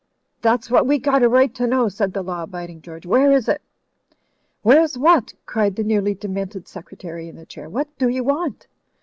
"That's what we got a right to know," said the law abiding George. "Where is it?" "Where is what?" cried the nearly demented secre tary in the chair. "What do you want?"